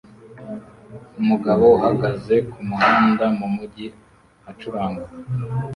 Umugabo uhagaze kumuhanda mumujyi acuranga